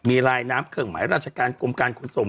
มีลายน้ำเครื่องหมายราชการกรมการขนส่ง